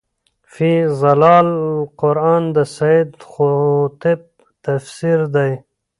في ظِلال القُرآن د سيد قُطب تفسير دی